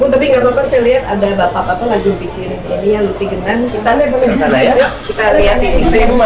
bu tapi gapapa saya lihat ada bapak bapak lagi bikin ini ya